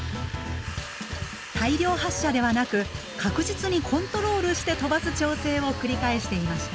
大量発射ではなく確実にコントロールして飛ばす調整を繰り返していました。